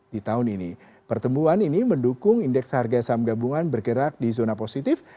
di tahun ini pertemuan ini mendukung indeks harga saham gabungan bergerak di zona positif